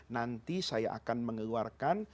nanti saya akan mengeluarkan